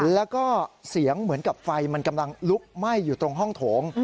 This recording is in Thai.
แล้วก็เสียงเหมือนกับไฟมันกำลังลุกไหม้อยู่ตรงห้องโถง